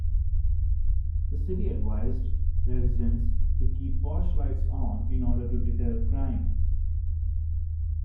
The city advised residents to keep porch lights on in order to deter crime.